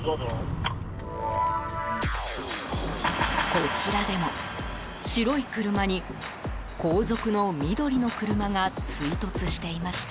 こちらでも、白い車に後続の緑の車が追突していました。